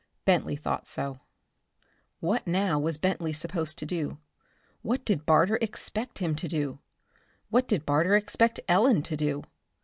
Bentley thought so. What now was Bentley supposed to do? What did Barter expect him to do? What did Barter expect Ellen to do?